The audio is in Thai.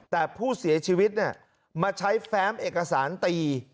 แต่ผู้เสียชีวิตมาใช้แฟ้มเอกสารตี